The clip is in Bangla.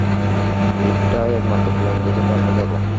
এটাই একমাত্র প্লেন যেটাতে আমরা যাব!